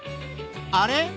あれ？